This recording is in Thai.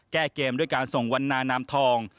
แก้เกมด้วยการส่งวันนานามทอง